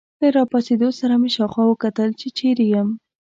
له راپاڅېدو سره مې شاوخوا وکتل، چې چیرې یم.